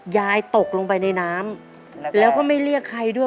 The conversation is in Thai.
ยายตกลงไปในน้ำแล้วก็ไม่เรียกใครด้วย